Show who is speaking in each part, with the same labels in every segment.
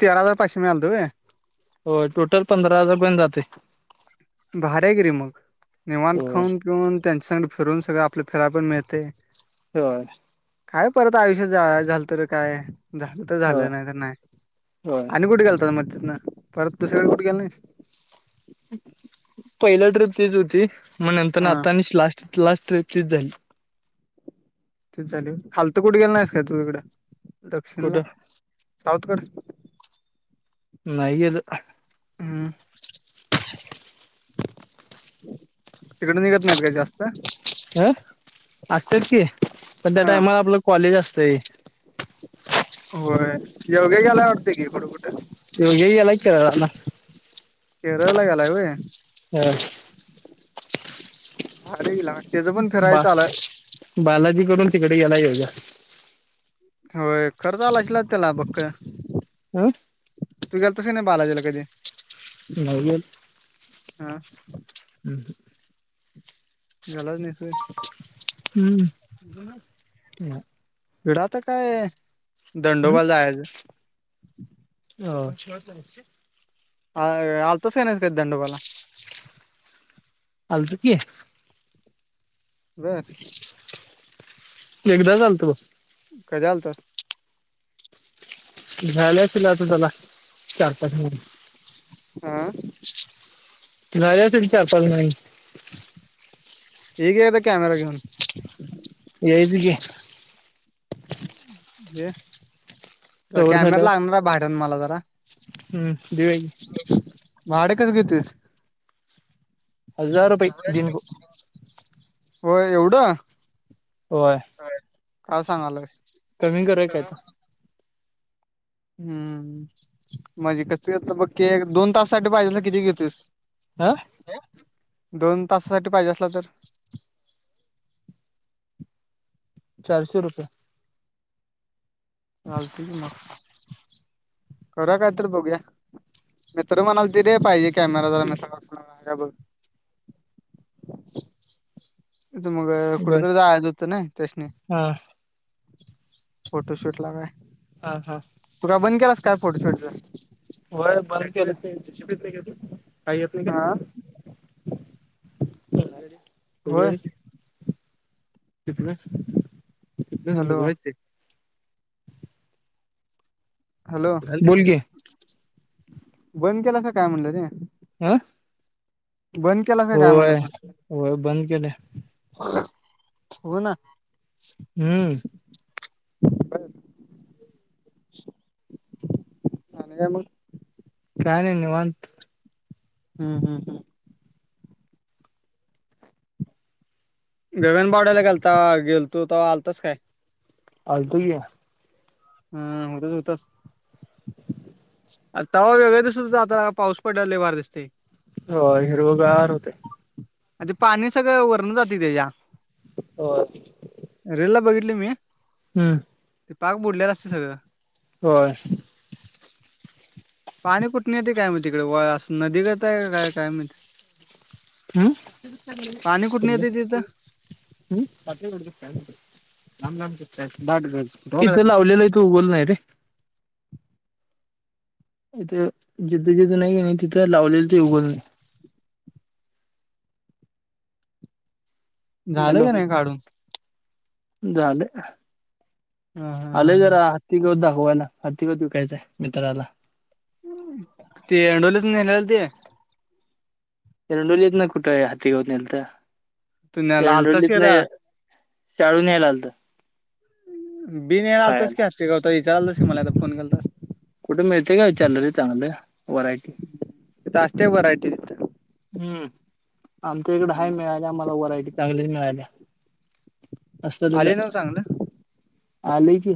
Speaker 1: तेरा हजार पाशे म्याल द आहे
Speaker 2: हो टोटल पंधरा हजार गण जाते
Speaker 1: भार गिरीे मग निेवात
Speaker 2: होय
Speaker 1: खाऊन पिऊन टेनशन फिरून सगळं आपल्या फियला पण मिळते
Speaker 2: हो
Speaker 1: काय परत आयुष्यात जा झालं तर काय झालं तर
Speaker 2: होय
Speaker 1: झालं नाही तर नाही
Speaker 2: होय
Speaker 1: आणि कुठे गेल त मजजतन परत तुसरीकडे कुठे गेल नाहीस
Speaker 2: पहिल्या ट्रिप तेच होती मग नंतर
Speaker 1: हा
Speaker 2: आता लाट त लास्ट्रेक्च झाली
Speaker 1: ते झाले खालत कुठ गेलं नाहीस का तू इकडं दक्षिणला
Speaker 2: कुठं
Speaker 1: साऊथकडे
Speaker 2: नाहीय तर
Speaker 1: हम्म तिकड निघत नाहीत काही जास्त
Speaker 2: ह असतच की पण त्या
Speaker 1: हा
Speaker 2: टाइमला आपलं कॉलेज असतय
Speaker 1: होय येवगे गेलाय वाटते की कुठं कुठं
Speaker 2: येवग्या गेलाय केरळ ला
Speaker 1: केरळ ला गलाय व्हय
Speaker 2: हा
Speaker 1: अरेला त्याच पण फिरायचं आल
Speaker 2: बालाजीकडून तिकडे गला येवग्या
Speaker 1: होय खरंच आलायचल त्याला बक्क
Speaker 2: हं
Speaker 1: तू गेलतास की नाही बालाजीला कधी
Speaker 2: नाही
Speaker 1: हा
Speaker 2: हम् हं
Speaker 1: गेलाच नाहीस व्हय
Speaker 2: हम्म ह
Speaker 1: विडा तर काय दंडोबाल जायच
Speaker 2: हो
Speaker 1: अ आलतोच का नाहीस का दंडूबाला
Speaker 2: अलतो की
Speaker 1: बर
Speaker 2: एकदाच आलतो बग
Speaker 1: कधी आल्तास
Speaker 2: झाला असल आता त्याला चार पाच महिने
Speaker 1: आह
Speaker 2: नाही अस विचारता नाही
Speaker 1: ये कीआहेेत कॅमरा घेऊन
Speaker 2: येईल की
Speaker 1: हे तर
Speaker 2: कवर
Speaker 1: कॅमेरा
Speaker 2: झालं
Speaker 1: लागणार भाद्यान मला जरा
Speaker 2: हम्म देऊया की
Speaker 1: भाडं कसं घेतोस
Speaker 2: हजार रुपय दिनको
Speaker 1: हो एवढं
Speaker 2: होय
Speaker 1: काय सांगाल्यास
Speaker 2: कमी करराय कायता
Speaker 1: हम्म म्हजे कस बघ दोन तास साठी पाहिजे किती घेतोस
Speaker 2: हा
Speaker 1: दोन तासासाठी पाहिजे असला तर
Speaker 2: चारशे रुपये
Speaker 1: चालते मग करा काय तर बघुया मित तर्र म्हणाला किरे पाहिजे कॅमेरा जराघ थ मग कुठ
Speaker 2: बर
Speaker 1: तरी जायच होतं ना त्यासणी
Speaker 2: हा
Speaker 1: फोटोशूट ला काय
Speaker 2: हा हा
Speaker 1: तु का बंद केलास काय फोटोशूटच
Speaker 2: होय मराठीेत नाही शिप नाही घेत काही येत नाही
Speaker 1: हा.
Speaker 2: का
Speaker 1: होय
Speaker 2: कोचघयच ते
Speaker 1: हॅलो हॅलो
Speaker 2: बोल की
Speaker 1: बंद केला अस काय म्हणटलं र
Speaker 2: हं.
Speaker 1: बंद. केलासा काय म्हणलं
Speaker 2: होय
Speaker 1: फोटोशूट?
Speaker 2: होय बंद केले
Speaker 1: हो ना
Speaker 2: हम्म.
Speaker 1: बर काय
Speaker 2: अ््
Speaker 1: मग?
Speaker 2: काय नाही निवांत
Speaker 1: हम् हम्म हम. बेगन बडायला गेलता गेलतो तर आलतोच काय?
Speaker 2: अजतय आहे.
Speaker 1: हा होतच होतच
Speaker 2: हम्
Speaker 1: तवा वेगळं दिसत होत आता पाऊस पडल्या वर लय भारी दिसते
Speaker 2: हो हिरोगार होते
Speaker 1: आण पाणी सगळं वरण जाते त्याच्या
Speaker 2: हो
Speaker 1: रेल ला बघितली मी
Speaker 2: हम्म
Speaker 1: ते पाग बुडलेला असते सगं
Speaker 2: हो
Speaker 1: पाणी कुठून येते काय म्ह तिकडे व अस नदी गताय काय काय माहित पाणी कुठनं येतंय तिथं?
Speaker 2: हम्. ट लावलेला तू बोल नाही रे इथे जिथ जिथ नाहीे तिथं लावलेलं ते उघोल नाही
Speaker 1: झालं
Speaker 2: हॅलो
Speaker 1: का नाही काढून?
Speaker 2: झाले
Speaker 1: हा हा
Speaker 2: आले
Speaker 1: हा.
Speaker 2: जरा ति गं दाखवय ना ह तिघं विकायचंय मित्राला
Speaker 1: ते अंडोलीत नलेला ते
Speaker 2: एरडली इेत नाही कुठा आहे हातीतनलत
Speaker 1: तू न्यायला आलतास
Speaker 2: एरडली
Speaker 1: की
Speaker 2: इेतन
Speaker 1: आता
Speaker 2: चाळून न्यायला आलं तो.
Speaker 1: बिन रा आलोस
Speaker 2: खायला
Speaker 1: की हतता विचारालतस का मला आता फोन करतस.
Speaker 2: कुठे मिळते का विचार ल रे चांगली व्यारायटि
Speaker 1: तिथं असते व्हरायटी तिथं
Speaker 2: हम्म आमच्या इकड हाय मिळाली आम्हाला व्हरायटी चांगल्या मिळाल्या. असलच
Speaker 1: आले
Speaker 2: आहे
Speaker 1: ना चांगलं.
Speaker 2: आलय की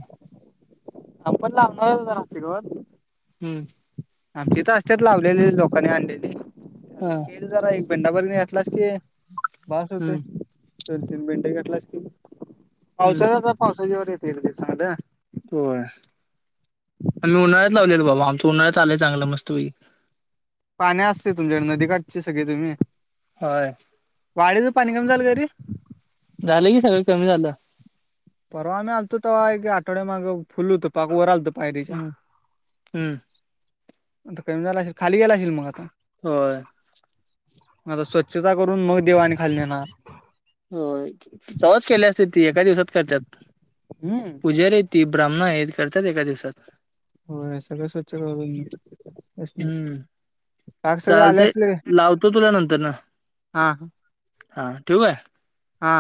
Speaker 1: अपलारातगवात
Speaker 2: हम्म.
Speaker 1: ह तिथ असतेच लावलेली लोकांनी आणलेली.
Speaker 2: हा.
Speaker 1: घेईल जरा एक बिंडावर घेतलाच की भास होते
Speaker 2: हम्म
Speaker 1: दोन तीन बिंड घेतलाच की
Speaker 2: हम्म
Speaker 1: पावसाळ्याच पावसाच्यावर येत ते सांगलं.
Speaker 2: होय आम्ही उन्हाळ्यात लावलेलो बाबा आमचं उन्हाळ्यात आलंय चांगलं मस्त वई
Speaker 1: पाणी असते तुमच्याकडे नदी काठची सगळी तुम्ही?
Speaker 2: होय.
Speaker 1: वाडेच पनी गमजल गरी
Speaker 2: झालं की सगळं कमी झालं.
Speaker 1: परवा म्ही आणलतो ते एक आठवड्यामाग फुलू तर पाक व रालत पायरीच्या
Speaker 2: हम्म हम्म
Speaker 1: आता कमी झालं असेल खली गेय असेल मग आता
Speaker 2: हो.
Speaker 1: मग आता स्वच्छता करून मग देवाने खाली येणार
Speaker 2: हो तव्हाच केले असतील ती एका दिवसात करत्यात.
Speaker 1: हम्म
Speaker 2: पूजारी ती ब्राह्मण आहे हे करतात एका दिवसात
Speaker 1: हो सगळं स्वच्छ करून
Speaker 2: हम्म
Speaker 1: काक सगळे आले
Speaker 2: चालतय
Speaker 1: असतील
Speaker 2: लावतो तुला नंतरन
Speaker 1: हा
Speaker 2: हा ठेवू काय?
Speaker 1: हा